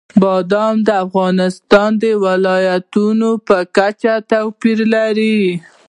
بادام د افغانستان د ولایاتو په کچه توپیر لري.